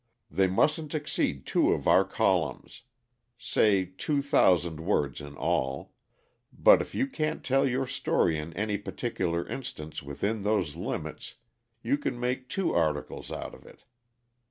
They mustn't exceed two of our columns say two thousand words in all but if you can't tell your story in any particular instance within those limits, you can make two articles out of it.